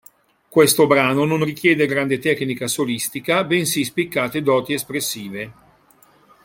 Questo brano non richiede grande tecnica solistica, bensì spiccate doti espressive.